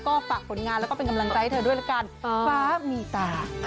ก็ฝากผลงานแล้วก็เป็นกำลังใจให้เธอด้วยละกันฟ้ามีตา